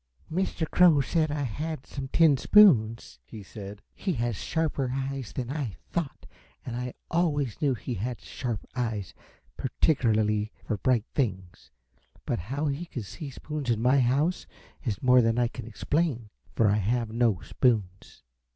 "Mr. Crow said I had some tin spoons?" he said. "He has sharper eyes than I thought and I always knew he had sharp eyes, particularly for bright things, but how he could see spoons in my house is more than I can explain, for I have no spoons."